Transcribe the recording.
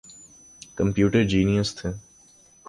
Computer genius تھے۔